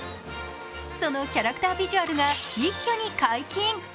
そのキャラクタービジュアルが一挙に解禁。